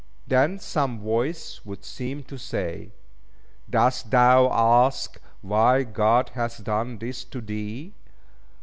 Then some voice would seem to say, "Dost thou ask why God hath done this to thee?